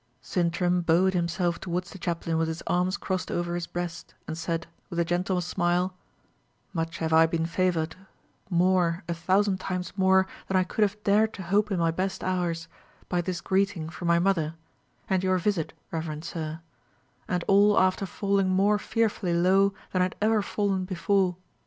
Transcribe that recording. Sintram bowed himself towards the chaplain with his arms crossed over his breast, and said, with a gentle smile, "Much have I been favoured more, a thousand times more, than I could have dared to hope in my best hours by this greeting from my mother, and your visit, reverend sir; and all after falling more fearfully low than I had ever fallen before.